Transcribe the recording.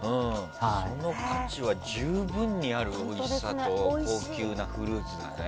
その価値は十分にあるおいしさと高級なフルーツだね。